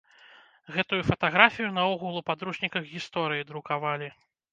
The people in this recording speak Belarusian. Гэтую фатаграфію наогул у падручніках гісторыі друкавалі!